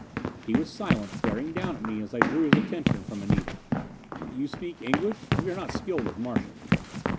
He was silent, glaring down at me as I drew his attention from Anita. "You speak English? We are not skilled with Martian."